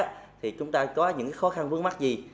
chúng ta có những khó khăn vướng mắt gì